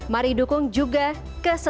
mari dukung juga keselamatan